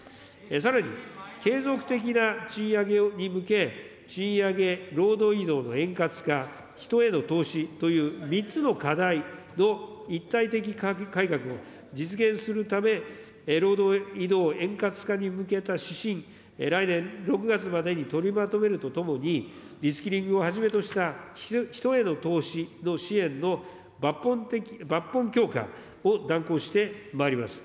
さらに、継続的な賃上げに向け、賃上げ、労働移動の円滑化、人への投資という３つの課題の一体的改革を実現するため、労働移動円滑化に向けた指針、来年６月までに取りまとめるとともに、リスキリングをはじめとした人への投資の支援の抜本強化を断行してまいります。